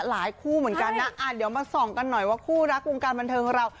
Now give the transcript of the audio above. คู่เหมือนกันนะเดี๋ยวมาส่องกันหน่อยว่าคู่รักวงการบันเทิงของเรา